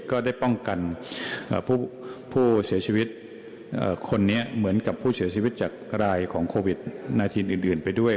ก็ได้ป้องกันผู้เสียชีวิตคนนี้เหมือนกับผู้เสียชีวิตจากรายของโควิด๑๙อื่นไปด้วย